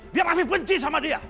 biar afif benci sama dia